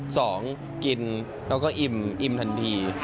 กินแล้วก็อิ่มอิ่มทันที